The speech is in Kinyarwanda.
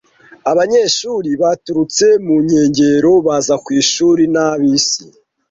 Abanyeshuri baturutse mu nkengero baza ku ishuri na bisi.